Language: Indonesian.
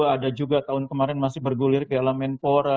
ada juga tahun kemarin masih bergulir ke alam mentor